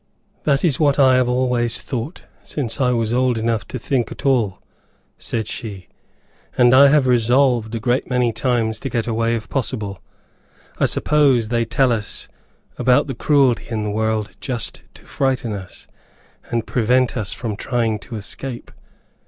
"That is what I have always thought since I was old enough to think at all," said she, "and I have resolved a great many times to get away if possible. I suppose they tell us about the cruelty in the world just to frighten us, and prevent us from trying to escape.